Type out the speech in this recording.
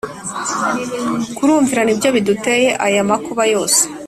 Kurumvira nibyo biduteye aya amakuba yose